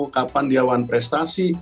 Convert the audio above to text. kapan dia wan prestasi